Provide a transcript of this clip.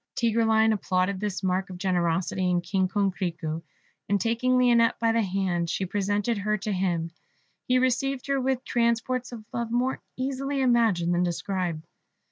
Tigreline applauded this mark of generosity in King Coquerico; and taking Lionette by the hand, she presented her to him. He received her with transports of love more easily imagined than described.